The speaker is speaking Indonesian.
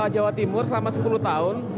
jawa timur selama sepuluh tahun